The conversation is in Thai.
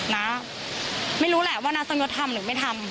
นะไม่รู้แหละว่านักสังเงินทำหรือไม่ทำ